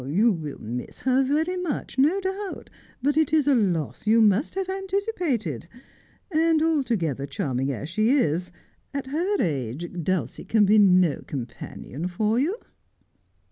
' You will miss her very much, no doubt, but it is a loss you must have anticipated. And, altogether charming as she is, at her age Dulcie can be no companion for you.'